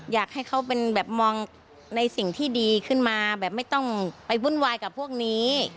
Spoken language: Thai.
อยากให้เขาเป็นแบบมองในสิ่งที่ดีขึ้นมาแบบไม่ต้องไปวุ่นวายกับพวกนี้